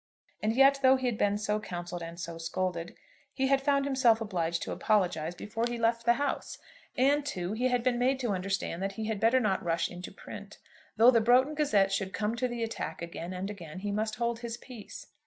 And yet though he had been so counselled and so scolded, he had found himself obliged to apologize before he left the house! And, too, he had been made to understand that he had better not rush into print. Though the 'Broughton Gazette' should come to the attack again and again, he must hold his peace.